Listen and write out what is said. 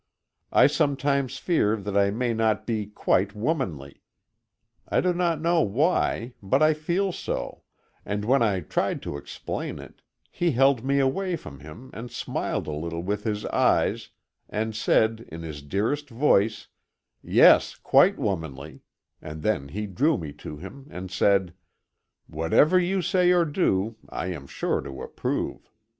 I sometimes fear that I may not be quite womanly. I do not know why, but I feel so, and when I tried to explain it, he held me away from him and smiled a little with his eyes, and said in his dearest voice "Yes, quite womanly," and then he drew me to him and said: "Whatever you say or do I am sure to approve.